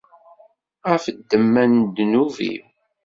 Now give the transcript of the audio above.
Ɣef ddemma n ddnub-iw.